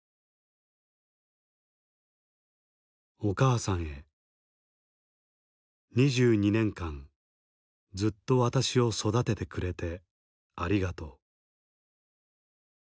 「お母さんへ２２年間ずっと私を育ててくれてありがとう」。